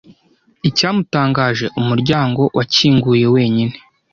Icyamutangaje, umuryango wakinguye wenyine.